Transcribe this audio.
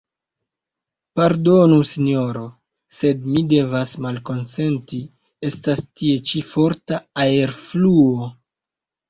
Pardonu, Sinjoro, sed mi devas malkonsenti, estas tie ĉi forta aerfluo.